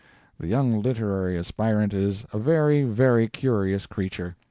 The young literary aspirant is a very, very curious creature.